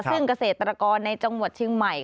ซึ่งเกษตรกรในจังหวัดเชียงใหม่